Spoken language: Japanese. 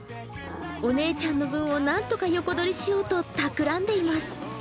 お姉ちゃんの分となんとか横取りしようと企んでいます。